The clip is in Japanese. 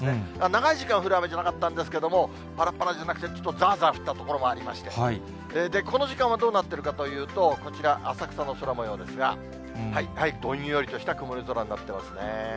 長い時間降る雨じゃなかったんですけど、ちょっとざーざー降った所もありまして、この時間はどうなってるかというと、こちら、浅草の空もようですが、どんよりとした曇り空になってますね。